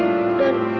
saya sudah kimizu